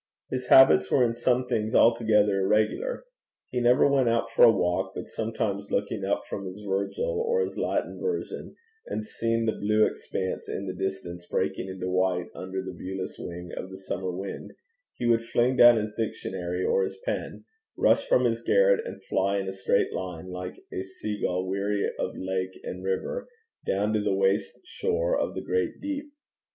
His habits were in some things altogether irregular. He never went out for a walk; but sometimes, looking up from his Virgil or his Latin version, and seeing the blue expanse in the distance breaking into white under the viewless wing of the summer wind, he would fling down his dictionary or his pen, rush from his garret, and fly in a straight line, like a sea gull weary of lake and river, down to the waste shore of the great deep.